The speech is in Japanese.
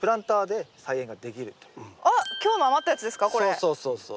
そうそうそうそう。